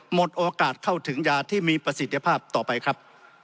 หมดโอกาสเข้าถึงยาที่มีประสิทธิภาพต่อไปครับ